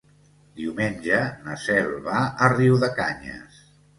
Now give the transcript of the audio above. Diumenge na Cel va a Riudecanyes.